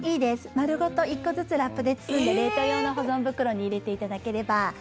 丸ごと１個ずつラップで包んで冷凍用の保存袋に入れていただければ。